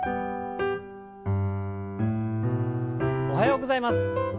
おはようございます。